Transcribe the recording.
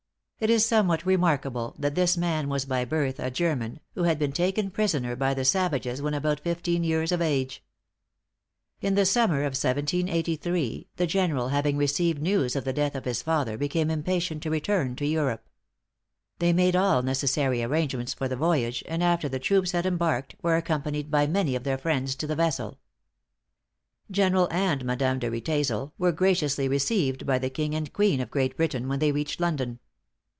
It is somewhat remarkable that this man was by birth a German, who had been taken prisoner by the savages when about fifteen years of age. In the summer of 1783, the General having received news of the death of his father, became impatient to return to Europe. They made all necessary arrangements for the voyage, and after the troops had embarked, were accompanied by many of their friends to the vessel. General and Madame de Riedesel were graciously received by the king and queen of Great Britain when they reached London.